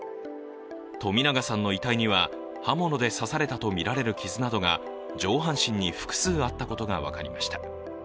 冨永さんの遺体には刃物で刺されたとみられる傷などが、上半身に複数あったことが分かりました。